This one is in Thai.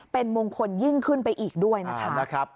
เป็นมงคลยิ่งขึ้นไปอีกด้วยนะครับ